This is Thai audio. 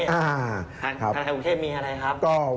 ธนาคารประเทศมีอะไรครับ